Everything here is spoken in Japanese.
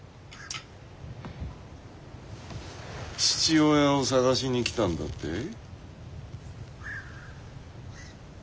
父親を探しに来たんだって？